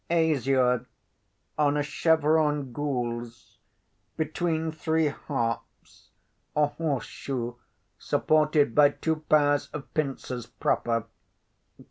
"Azure, on a chevron gules between three harps, a horse shoe supported by two pairs of pincers, proper.